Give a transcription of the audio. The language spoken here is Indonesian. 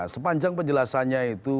sepanjang penjelasannya itu